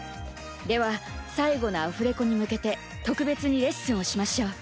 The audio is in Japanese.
では最後のアフレコに向けて特別にレッスンをしましょう。